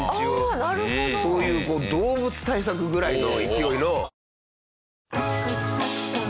そういう動物対策ぐらいの勢いの。